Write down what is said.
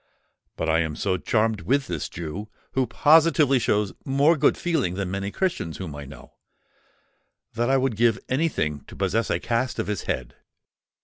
But I am so charmed with this Jew, who positively shows more good feeling than many Christians whom I know, that I would give any thing to possess a cast of his head.